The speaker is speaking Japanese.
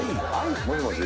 「もしもし？」